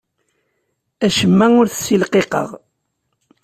Acemma ur t-ssilqiqeɣ.